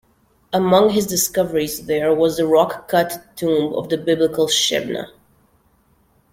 Among his discoveries there was the rock-cut tomb of the Biblical Shebna.